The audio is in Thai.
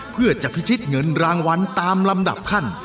เพื่อจะพิชิตเงินรางวัลตามลำดับขั้น